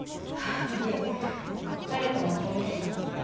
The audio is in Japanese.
いえ彼とは別れました。